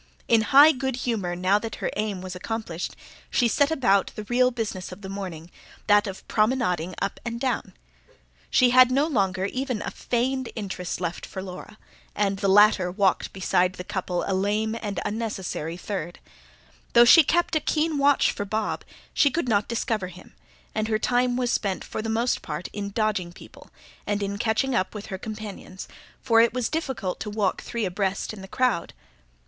In high good humour now that her aim was accomplished, she set about the real business of the morning that of promenading up and down. She had no longer even a feigned interest left for Laura, and the latter walked beside the couple a lame and unnecessary third. Though she kept a keen watch for Bob, she could not discover him, and her time was spent for the most part in dodging people, and in catching up with her companions for it was difficult to walk three abreast in the crowd.